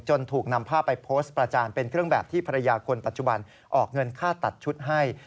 ถูกนำภาพไปโพสต์ประจานเป็นเครื่องแบบที่ภรรยาคนปัจจุบันออกเงินค่าตัดชุดให้